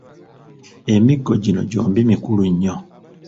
Emiggo gino gyombi mikulu nnyo.